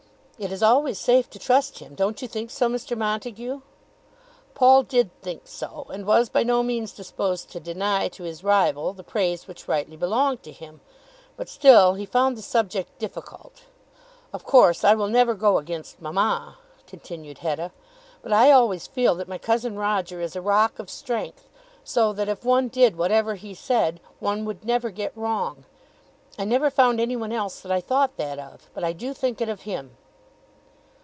It is always safe to trust him. Don't you think so, Mr. Montague?" Paul did think so, and was by no means disposed to deny to his rival the praise which rightly belonged to him; but still he found the subject difficult. "Of course I will never go against mamma," continued Hetta, "but I always feel that my Cousin Roger is a rock of strength, so that if one did whatever he said one would never get wrong. I never found any one else that I thought that of, but I do think it of him."